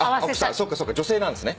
そっかそっか女性なんですね